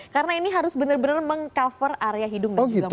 karena ini harus benar benar mengcover area hidung dan juga mulut